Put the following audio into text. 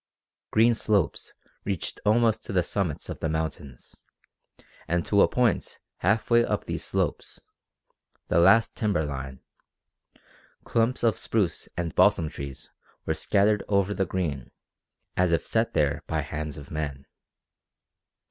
Green slopes reached almost to the summits of the mountains, and to a point half way up these slopes the last timber line clumps of spruce and balsam trees were scattered over the green as if set there by hands of men.